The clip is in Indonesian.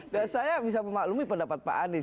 dan saya bisa memaklumi pendapat pak anies